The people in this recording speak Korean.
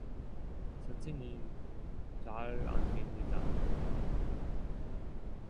"선생님 잘 안 됩니다."